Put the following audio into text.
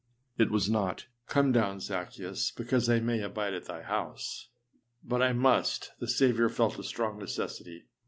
It was not âCome down, Zaccheus, because I may abide at thy house,â but âI must!' The Saviour felt a strong necessity.